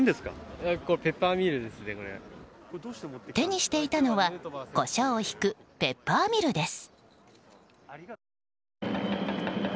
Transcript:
手にしていたのはコショウをひくペッパーミルです。